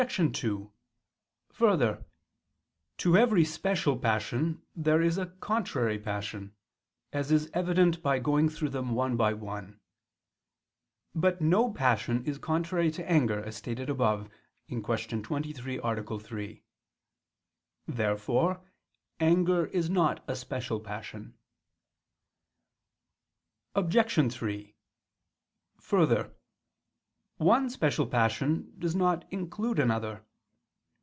2: Further, to every special passion there is a contrary passion; as is evident by going through them one by one. But no passion is contrary to anger, as stated above (Q. 23, A. 3). Therefore anger is not a special passion. Obj. 3: Further, one special passion does not include another.